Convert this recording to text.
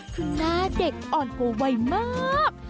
คือหน้าเด็กอ่อนกว่าวัยมาก